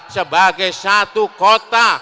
sebagai satu kota